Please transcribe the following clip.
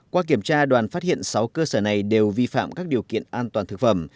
qua kiểm tra đoàn phát hiện sáu cơ sở này đều vi phạm các điều kiện an toàn thực phẩm